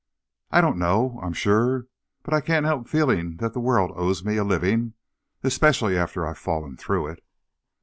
"I don't know, I'm sure. But I can't help feeling that the world owes me a living especially after I've fallen through it!"